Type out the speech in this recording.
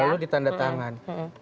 lalu ditanda tangan